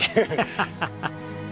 ハハハハ。